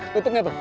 tutup gak tuh oh